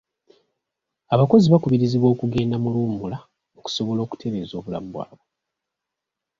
Abakozi bakubirizibwa okugenda mu luwummula okusobola okutereeza obulamu bwabwe.